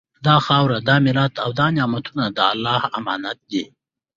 دا خاوره، دا ملت او دا نعمتونه د الله امانت دي